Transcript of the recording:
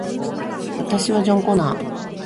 私はジョン・コナー